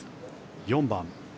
４番。